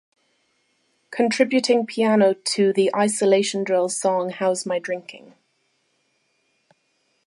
Contributing piano to the "Isolation Drills" song "How's My Drinking?